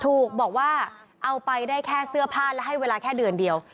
ถูกบอกว่าเอาไปได้แค่เสื้อผ้าและให้เวลาแค่เดือนเดียว